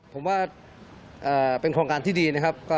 ผมว่าเป็นโครงการที่ดีนะครับ